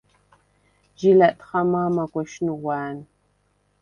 ჟი ლა̈ტხა მა̄მაგვეშ ნუღვა̄̈ნ.